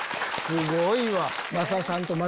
すごいわ！